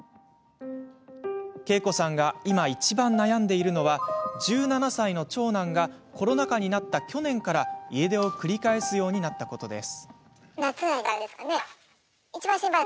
ケイコさんが今、いちばん悩んでいるのは１７歳の長男がコロナ禍になった去年から家出を繰り返すようになったことです。